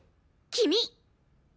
君！